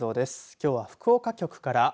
きょうは福岡局から。